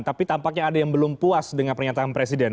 tapi tampaknya ada yang belum puas dengan pernyataan presiden